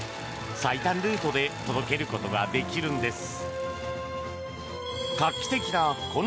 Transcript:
最短ルートで届けることができるんです。